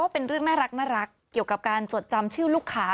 เป็นเรื่องน่ารักเกี่ยวกับการจดจำชื่อลูกค้า